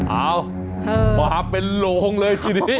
เอามาเป็นโลงเลยทีนี้